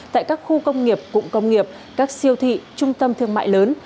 tại các khu công nghiệp cụm công nghiệp các siêu thị trung tâm thương mại lớn